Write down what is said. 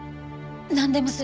なんでもする。